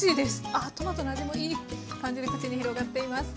ああトマトの味もいい感じで口に広がっています。